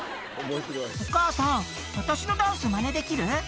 「お母さん私のダンスマネできる？」